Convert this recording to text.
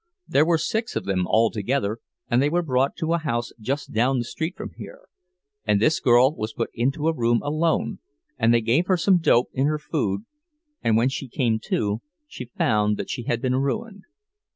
There were six of them, all together, and they were brought to a house just down the street from here, and this girl was put into a room alone, and they gave her some dope in her food, and when she came to she found that she had been ruined.